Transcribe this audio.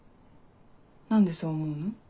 何でそう思うの？